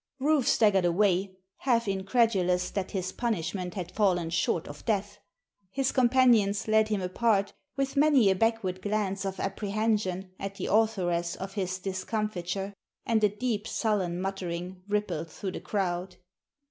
Rufe staggered away, half incredulous that his punishment had fallen short of death. His companions led him apart with many a backward glance of apprehension at the authoress of his discomfiture, and a deep, sullen muttering rippled through the crowd.